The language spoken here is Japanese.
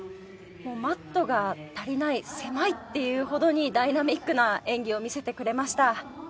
マットが足りない狭いっていうほどにダイナミックな演技を見せてくれました。